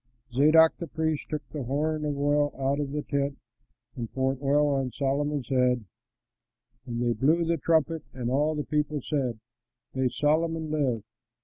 Zadok the priest took the horn of oil out of the tent and poured oil on Solomon's head, and they blew the trumpet, and all the people said, "May Solomon live!"